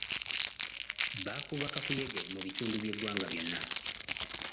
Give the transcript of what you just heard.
Baakuba kakuyege mu bitundu by'eggwanga byonna.